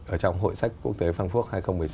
ở trong hội sách quốc tế phan phước hai nghìn một mươi sáu